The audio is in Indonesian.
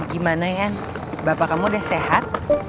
gimana yan bapak kamu sudah sehat